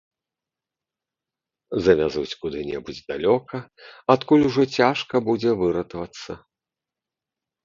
Завязуць куды-небудзь далёка, адкуль ужо цяжка будзе выратавацца.